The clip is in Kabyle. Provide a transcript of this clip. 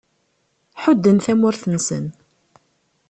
Ḥudden tamurt-nsen.